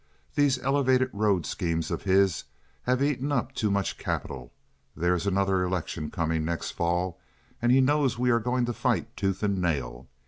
These elevated road schemes of his have eaten up too much capital. There is another election coming on next fall, and he knows we are going to fight tooth and nail.